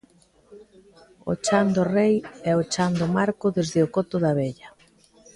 O Chan do Rei e o Chan do Marco desde o Coto da Vella.